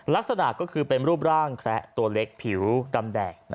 ลักษณะก็คือเป็นรูปร่างแคระตัวเล็กผิวกำแดก